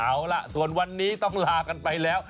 เอาล่ะส่วนวันนี้ต้องลากันไปแล้ว